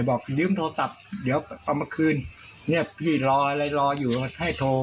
บอกยืมโทรศัพท์เดี๋ยวเอามาคืนเนี่ยพี่รออะไรรออยู่ให้โทร